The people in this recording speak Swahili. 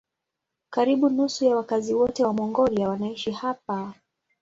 Karibu nusu ya wakazi wote wa Mongolia wanaishi hapa.